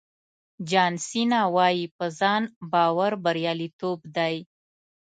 جان سینا وایي په ځان باور بریالیتوب دی.